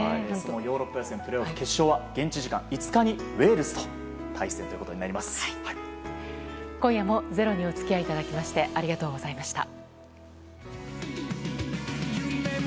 ヨーロッパ予選プレーオフ決勝現地時間５日に今夜も「ｚｅｒｏ」にお付き合いいただきましてありがとうございました。